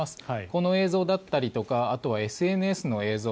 この映像だったりとかあとはＳＮＳの映像